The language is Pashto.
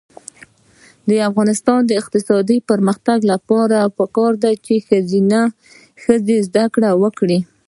د افغانستان د اقتصادي پرمختګ لپاره پکار ده چې ښځې زده کړې وکړي.